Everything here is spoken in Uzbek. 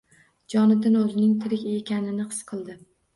Jonatan o‘zining tirik ekanini his qildi